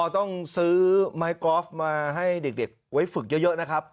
ต้องซื้อไม้กอล์ฟมาให้เด็กไว้ฝึกเยอะนะครับ